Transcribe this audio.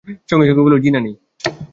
সঙ্গে-সঙ্গে বলল, জ্বি-না, নেই।